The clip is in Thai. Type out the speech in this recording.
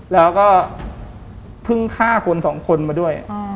แล้วก็เพิ่งฆ่าคนสองคนมาด้วย